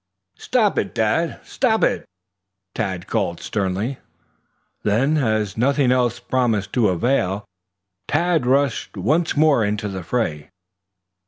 "Stop it, Dad stop it!" Tad called sternly. Then, as nothing else promised to avail, Tad rushed once more into the fray.